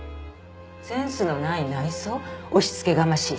センスのない内装押し付けがましいサービス